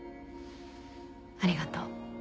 ありがとう。